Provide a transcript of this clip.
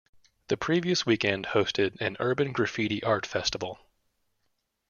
The previous weekend hosted an Urban Graffiti Art Festival.